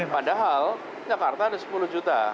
padahal jakarta ada sepuluh juta